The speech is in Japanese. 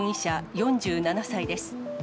４７歳です。